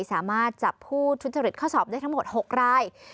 สามารถจับผู้ทุจริตข้อสอบได้ทั้งหมด๖ราย